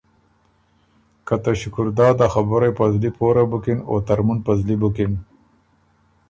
که ”ته شکرداد ا خبُرئ په زلی پوره بُکِن او ترمُن په زلی بُکِن“